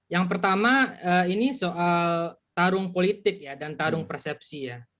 yang pertama ini soal tarung politik dan tarung persepsi